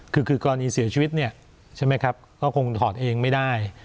คือคือกรณีเสียชีวิตเนี่ยใช่ไหมครับก็คงถอดเองไม่ได้